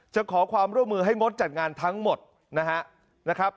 ขอความร่วมมือให้งดจัดงานทั้งหมดนะครับ